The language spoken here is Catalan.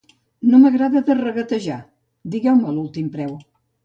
No m'agrada de regatejar: digueu-me l'últim preu.